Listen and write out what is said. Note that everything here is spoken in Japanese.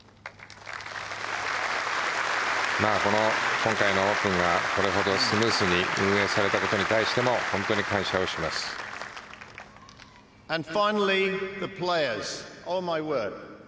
今回のオープンがこれだけスムーズに運営されたことに対しても本当に感謝をします。